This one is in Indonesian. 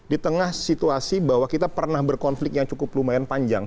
di tengah situasi bahwa kita pernah berkonflik yang cukup lumayan panjang